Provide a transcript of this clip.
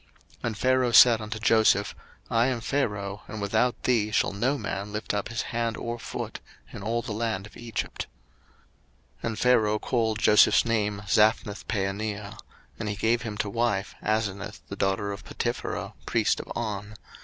01:041:044 And Pharaoh said unto Joseph, I am Pharaoh, and without thee shall no man lift up his hand or foot in all the land of Egypt. 01:041:045 And Pharaoh called Joseph's name Zaphnathpaaneah; and he gave him to wife Asenath the daughter of Potipherah priest of On.